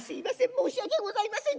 申し訳ございません。